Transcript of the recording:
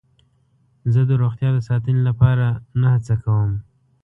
زه د روغتیا د ساتنې لپاره نه هڅه کوم.